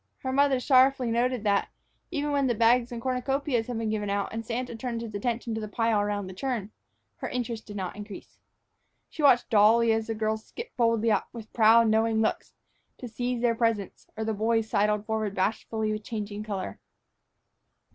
Her mother sorrowfully noted that, even when the bags and cornucopias had been given out and Santa turned his attention to the pile around the churn, her interest did not increase. She watched dully as the girls skipped boldly up, with proud, knowing looks, to seize their presents, or the boys sidled forward bashfully with changing color.